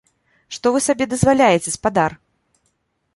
Што вы сабе дазваляеце, спадар?